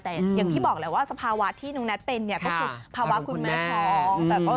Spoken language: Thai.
แต่อย่างที่บอกแหละว่าสภาวะที่น้องแท็ตเป็นเนี่ยก็คือภาวะคุณแม่ท้อง